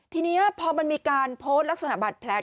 ทีนี้พอมันมีการโพสต์ลักษณะบาดแผล